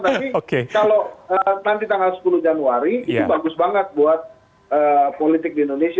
tapi kalau nanti tanggal sepuluh januari itu bagus banget buat politik di indonesia